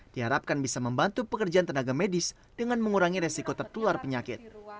diharapkan bisa membantu pekerjaan tenaga medis dengan mengurangi resiko tertular penyakit